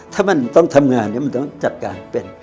ถ้ามันต้องทำงานมันต้องจัดการเป็น